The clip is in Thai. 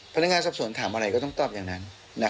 พนักงานสอบสวนถามอะไรก็ต้องตอบอย่างนั้น